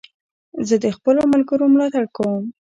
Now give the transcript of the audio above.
زه د خپلو ملګرو ملاتړ کوم.